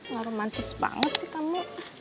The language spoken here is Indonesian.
ngaromantis banget sih kamu